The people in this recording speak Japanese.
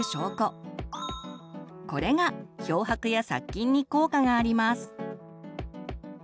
これが漂白や殺菌に効果があります。